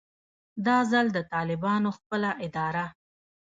دا ځل د طالبانو خپله اداره